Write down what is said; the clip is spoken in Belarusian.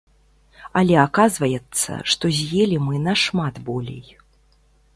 Але аказваецца, што з'елі мы нашмат болей.